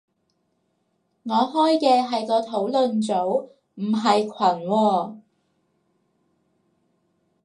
我開嘅係個討論組，唔係群喎